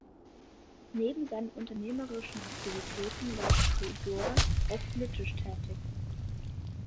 Neben seinen unternehmerischen Aktivitäten war Pudor auch politisch tätig.